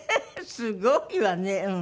すごいわねうん。